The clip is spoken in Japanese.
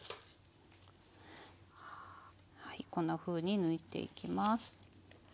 こんなふうに抜いていきます。